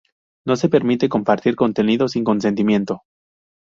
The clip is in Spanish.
no se permite compartir contenido sin consentimiento